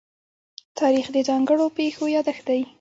تاریخ د ځانګړو پېښو يادښت دی.